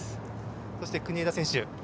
そして国枝選手。